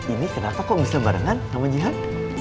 ini kenapa kok bisa barengan namanya jihan